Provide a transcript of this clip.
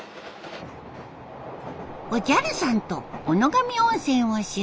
おじゃる☆さんと小野上温泉を出発！